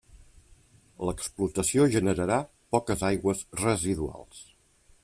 L'explotació generarà poques aigües residuals.